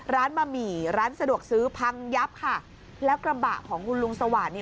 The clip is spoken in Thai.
บะหมี่ร้านสะดวกซื้อพังยับค่ะแล้วกระบะของคุณลุงสวาสเนี่ย